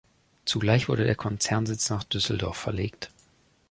Zugleich wurde der Konzernsitz nach Düsseldorf verlegt.